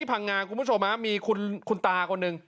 พังงาคุณผู้ชมมีคุณตาคนหนึ่ง